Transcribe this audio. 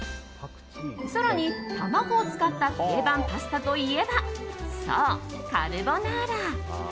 更に、卵を使った定番パスタといえばそう、カルボナーラ。